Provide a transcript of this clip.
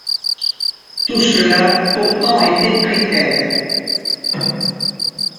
Tout cela pourtant était précaire.